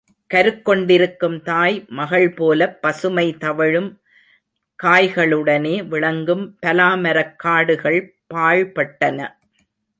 கருக் கொண்டிருக்கும் தாய் மகள்போலப் பசுமை தவழும் காய்களுடனே விளங்கும் பலா மரக் காடுகள் பாழ்பட்டன.